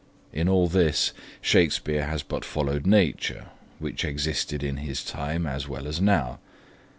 In all this, Shakespeare has but followed nature, which existed in his time, as well as now.